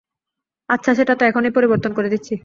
আচ্ছা, সেটা তো এখনই পরিবর্তন করে দিচ্ছি।